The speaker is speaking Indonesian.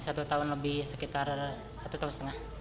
satu tahun lebih sekitar satu tahun setengah